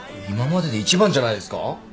今までで一番じゃないですか？